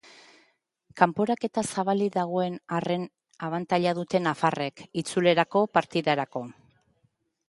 Kanporaketa zabalik dagoen arren abantaila dute nafarrek itzulerako partidarako.